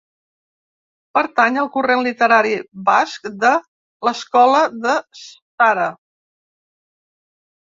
Pertany al corrent literari basc de l'Escola de Sara.